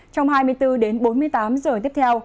trong hai mươi bốn h đến bốn mươi tám h